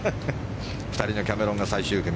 ２人のキャメロンが最終組。